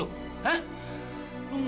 lu ngomong sama orang tua kandung lu sendiri